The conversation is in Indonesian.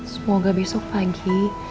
semoga besok lagi